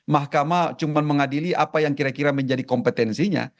mahkamah cuma mengadili apa yang kira kira menjadi kompetensinya